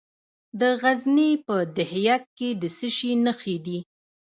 د غزني په ده یک کې د څه شي نښې دي؟